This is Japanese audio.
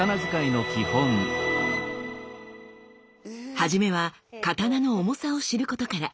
はじめは刀の重さを知ることから。